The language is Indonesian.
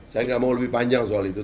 saya nggak mau lebih panjang soal itu